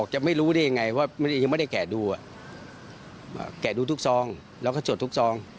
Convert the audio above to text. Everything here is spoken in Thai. แกะดูทุกซองแล้วก็สวดทุกซอง